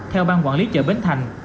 theo bang quản lý chợ bến thành